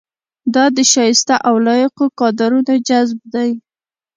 دا د شایسته او لایقو کادرونو جذب دی.